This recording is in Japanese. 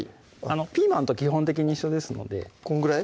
ピーマンと基本的に一緒ですのでこんぐらい？